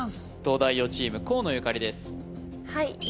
東大王チーム河野ゆかりです